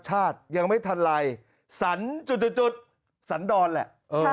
ช่วยไม่ทันใลสันสันดอนแหละ